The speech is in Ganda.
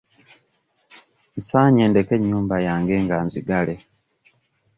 Nsaanye ndeke ennyumba yange nga nzigale.